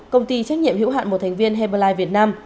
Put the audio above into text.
công ty trách nhiệm hữu hạn một thành viên heblife việt nam